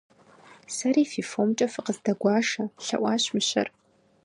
- Сэри фи фомкӀэ фыкъыздэгуашэ! – лъэӀуащ мыщэр.